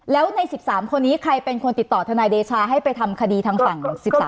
แล้วใน๑๓คนนี้ใครเป็นคนติดต่อทนายเดชาให้ไปทำคดีทางฝั่ง๑๓